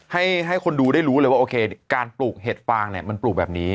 ให้คนดูได้รู้เลยว่าโอเคการปลูกเห็ดฟางเนี่ยมันปลูกแบบนี้